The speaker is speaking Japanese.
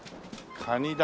カニだ。